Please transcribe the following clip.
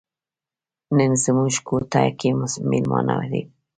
نن زموږ کوټه کې میلمانه دي.